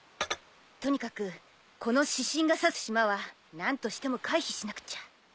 とにかくこの指針が指す島は何としても回避しなくちゃ。